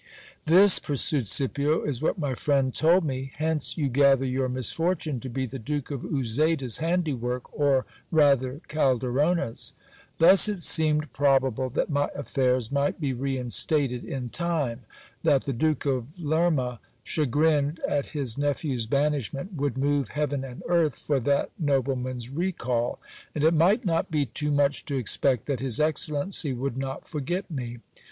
This, pursued Scipio, is what my friend told me. Hence, you gather your misfortune to be the Duke of Uzeda's handiwork, or rather Calderona's. Thus it seemed probable that my affairs might be reinstated in time ; that the Duke of Lerma, chagrined at his nephew's banishment, would move heaven and earth for that nobleman's recall ; and it might not be too much to expect that his excellency would not forget me.